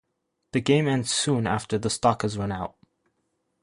The game ends soon after the stock has run out.